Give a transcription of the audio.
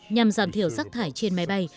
nhằm giảm thiểu rắc thải trên máy bay